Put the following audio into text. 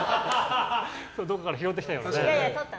どこかで拾ってきたみたいなね。